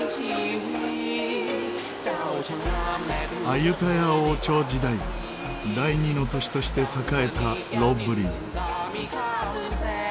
アユタヤ王朝時代第二の都市として栄えたロッブリー。